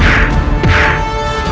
siapa dia tuhan slightly